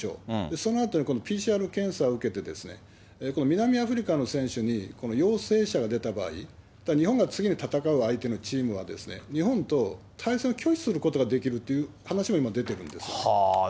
そのあとに今度ＰＣＲ検査を受けて、この南アフリカの選手に、陽性者が出た場合、日本が次に戦う相手のチームは、日本と対戦を拒否することができるという話も今、出てるんですよ。